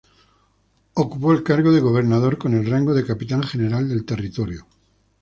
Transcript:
Ocupó el cargo de Gobernador con el rango de Capitán General del territorio.